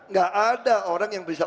nggak ada orang yang bisa